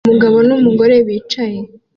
Umugabo numugore bicaye